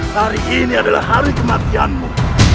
hari ini adalah hari kematianmu